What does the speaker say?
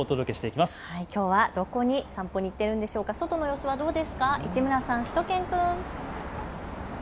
きょうはどこに行っているんでしょうか、外の様子はどうですか、市村さん、しゅと犬くん。